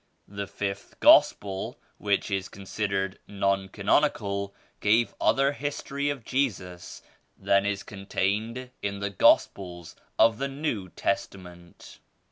The 5th Gospel which is considered non canonical gave other history of Jesus than is con tained in the Gospels of the New Testament.